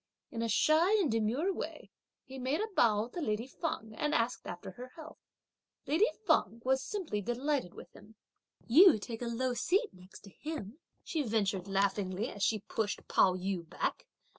In a shy and demure way, he made a bow to lady Feng and asked after her health. Lady Feng was simply delighted with him. "You take a low seat next to him!" she ventured laughingly as she first pushed Pao yü back.